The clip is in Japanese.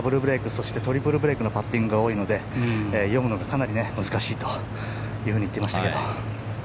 そして、トリプルブレークのパッティングが多いので読むのがかなり難しいと言っていました。